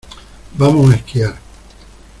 Vamos a esquiar.